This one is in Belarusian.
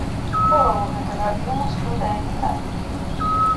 Палову гэтага аб'ёму складае метан.